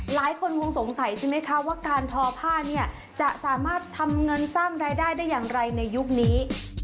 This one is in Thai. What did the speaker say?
หลายคนคงสงสัยใช่ไหมคะว่าการทอผ้าเนี่ยจะสามารถทำเงินสร้างรายได้ได้อย่างไรในยุคนี้